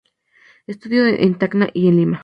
Estudió en Tacna y en Lima.